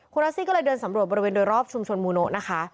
คุณรัสซี่ก็เลยเดินสำรวจบริเวณโดยรอบชุมชนมูโนะนะคะ